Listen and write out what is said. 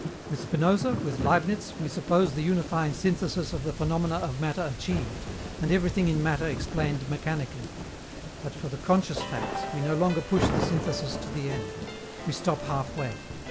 With Spinoza, with Leibniz, we suppose the unifying synthesis of the phenomena of matter achieved, and everything in matter explained mechanically. But, for the conscious facts, we no longer push the synthesis to the end. We stop half way.